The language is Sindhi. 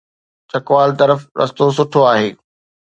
چکوال طرف رستو سٺو آهي.